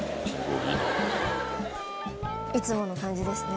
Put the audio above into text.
いつもの感じですね。